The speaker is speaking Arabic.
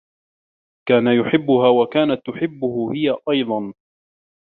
كان يحبّها و كانت تحبّه هي أيضا.